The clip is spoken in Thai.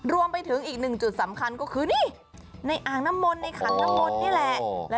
รวมไปถึงอีกหนึ่งจุดสำคัญก็คือนี่ในอ่างน้ำมนต์ในขันน้ำมนต์นี่แหละ